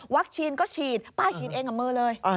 วัคชีนก็ฉีดป้าฉีดเองกับมือเลย